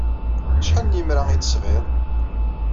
Acḥal n yemra ay d-tesɣiḍ?